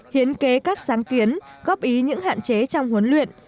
hiến kế các sáng kiến góp ý những hạn chế trong huấn luyện